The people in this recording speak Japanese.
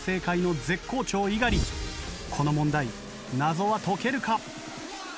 この問題謎は解けるか？